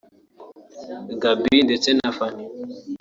Gaby ndetse na Fanny